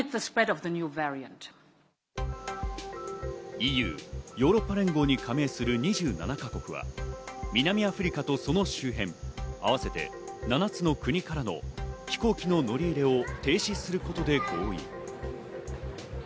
ＥＵ＝ヨーロッパ連合に加盟する２７か国は南アフリカとその周辺、合わせて７つの国からの飛行機の乗り入れを停止することで合意。